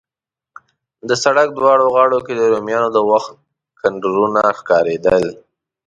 د سړک دواړو غاړو کې د رومیانو د وخت کنډرونه ښکارېدل.